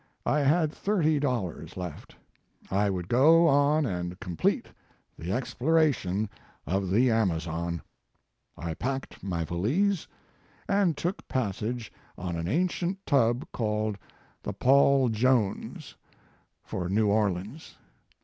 I had thirty dollars left. I would go on and complete the exploration of the Amazon. I packed my valise, and took passage on an ancient His Life and Work. 31 tub, called the Paul Jones, for New Orleans.